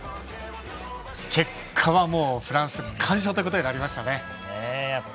結果はフランス完勝ということになりましたね。